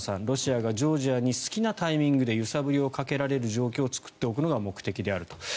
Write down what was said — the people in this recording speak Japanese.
ロシアがジョージアに好きなタイミングで揺さぶりをかけられる状態を作っておくのが目的であると。